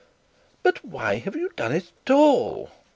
'But why have you done it at all?